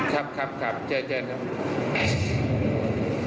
ครับครับครับแจ้ครับ